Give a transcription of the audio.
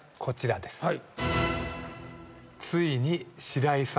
こちらです。